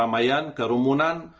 jauhi dari keramaian kerumunan